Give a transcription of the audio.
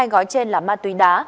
hai gói trên là ma túy đá